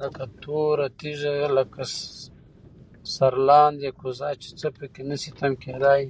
لكه توره تيږه، لكه سرلاندي كوزه چي څه په كي نشي تم كېدى